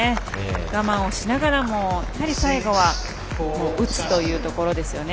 我慢をしながらも、やはり最後は打つというところですよね。